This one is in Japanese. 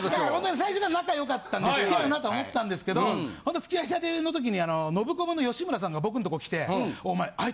最初から仲良かったんで付き合うなとは思ったんですけど付き合いたての時にノブコブの吉村さんが僕のとこ来て。